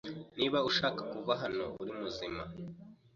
Niba ushaka kuva hano uri muzima,